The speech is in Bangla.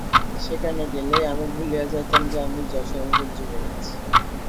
সেইখানে গেলেই আমি ভুলিয়া যাইতাম যে, আমি যশোহরের যুবরাজ।